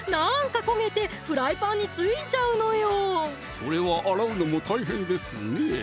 それは洗うのも大変ですねぇ